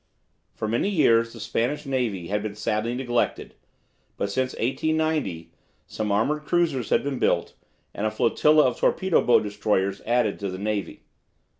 For many years the Spanish Navy had been sadly neglected, but since 1890 some armoured cruisers had been built, and a flotilla of torpedo boat destroyers added to the navy.